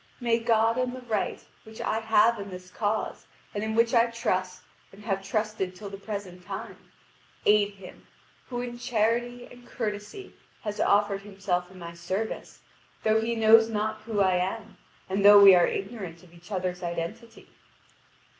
"May God and the right, which I have in this cause, and in which I trust and have trusted till the present time, aid him, who in charity and courtesy has offered himself in my service, though he knows not who I am, and though we are ignorant of each other's identity."